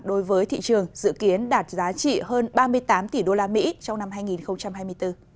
đối với thị trường dự kiến đạt giá trị hơn ba mươi tám tỷ đô la mỹ trong năm hai nghìn hai mươi bốn